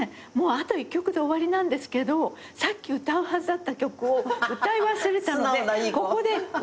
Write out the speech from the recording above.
あと１曲で終わりなんですけどさっき歌うはずだった曲を歌い忘れたのでここで歌いますって言って。